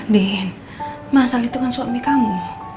din mas al itu kan suami kamu